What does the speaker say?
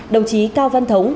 đồng chí cao văn thống